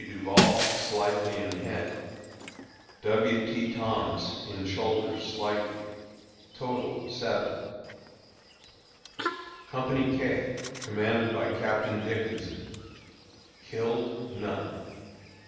Duval, slightly in head; W. T. Thomas, in shoulder slightly. Total, 7. Company K, commanded by Captain Dickinson. Killed: None.